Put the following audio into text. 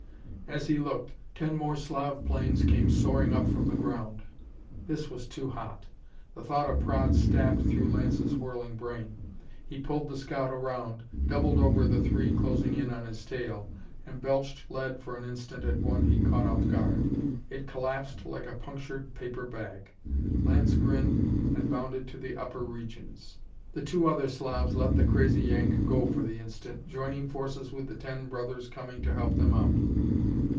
As he looked, ten more Slav planes came soaring up from the ground. This was too hot! The thought of Praed stabbed through Lance's whirling brain; he pulled the scout around, doubled over the three closing in on his tail, and belched lead for an instant at one he'd caught off guard. It collapsed like a punctured paper bag. Lance grinned and bounded to the upper regions. The two other Slavs let the crazy Yank go for the instant, joining forces with the ten brothers coming to help them out.